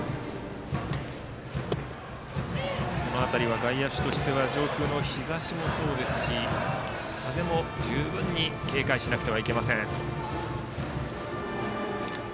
この辺り、外野手としては上空の日ざしもそうですし風も十分に警戒しなくてはいけません。